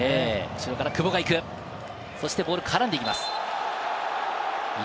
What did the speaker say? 後ろから久保が行く、ボールに絡んでいきます。